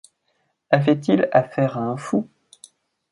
Avait-il affaire à un fou?